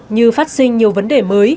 như phát sinh nhiều vấn đề mới